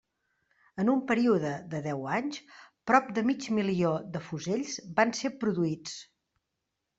En un període de deu anys, prop de mig milió de fusells van ser produïts.